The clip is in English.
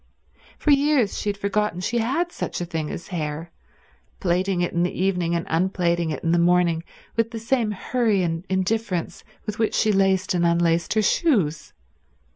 For years she had forgotten she had such a thing as hair, plaiting it in the evening and unplaiting it in the morning with the same hurry and indifference with which she laced and unlaced her shoes.